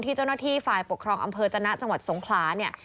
เจ้าหน้าที่ฝ่ายปกครองอำเภอจนะจังหวัดสงขลาเนี่ย